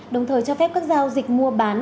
đồng thời cho phép các giao dịch mua bán